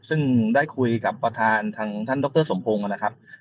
ซึ่งได้คุยกับประธานทางท่านดรสมพงศ์นะครับ